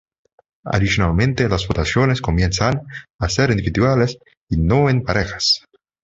Adicionalmente, las votaciones comienzan a ser individuales y no en parejas.